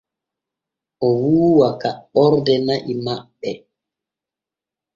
O wuuwa kaɓɓorde na'i maɓɓe.